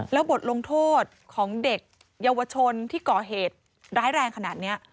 แล้วบทลงโทษของเด็กเยาวชนที่ก่อเหตุร้ายแรงขนาดนี้